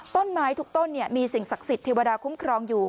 ต้นไม้ทุกต้นมีสิ่งศักดิ์สิทธิเทวดาคุ้มครองอยู่